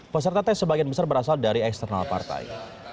peserta tes sebagian besar berasal dari eksternal partai